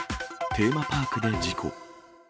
テーマパークで事故。